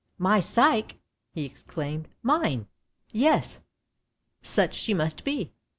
" My Psyche! " he exclaimed. " Mine! yes, such she must be.